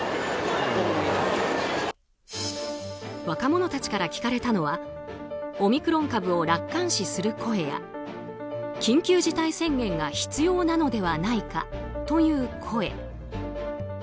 若者たちから聞かれたのはオミクロン株を楽観視する声や緊急事態宣言が必要なのではないかという声。